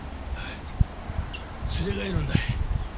連れがいるんだ。